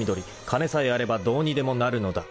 ［金さえあればどうにでもなるのだ］